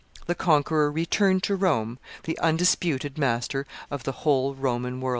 The conqueror returned to Rome the undisputed master of the whole Roman world.